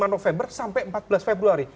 dua puluh lima november sampai empat belas februari